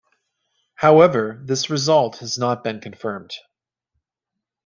However, this result has not been not confirmed.